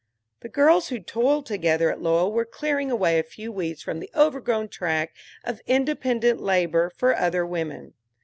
The girls who toiled together at Lowell were clearing away a few weeds from the overgrown track of independent labor for other women.